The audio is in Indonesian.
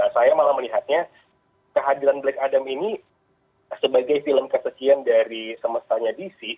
saya malah melihatnya kehadiran black adam ini sebagai film kesekian dari semestanya dc